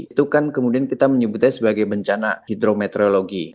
itu kan kemudian kita menyebutnya sebagai bencana hidrometeorologi